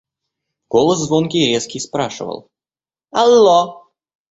Голос звонкий и резкий спрашивал: – Алло!